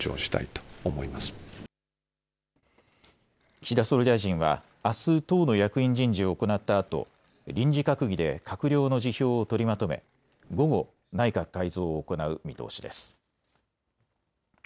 岸田総理大臣はあす党の役員人事を行ったあと臨時閣議で閣僚の辞表を取りまとめ午後、内閣改造を行う見通しです。